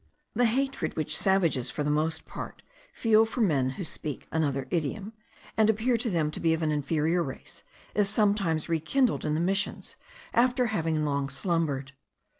The hatred which savages for the most part feel for men who speak another idiom, and appear to them to be of an inferior race, is sometimes rekindled in the missions, after having long slumbered.